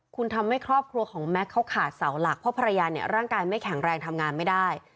คุณทำให้ครอบครัวของแม็กซ์เขาขาดเสาหลักเพราะภรรยาเนี่ยร่างกายไม่แข็งแรงทำงานไม่ได้